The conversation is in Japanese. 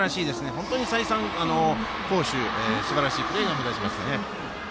本当に再三、好守ですばらしいプレーが目立ちますね。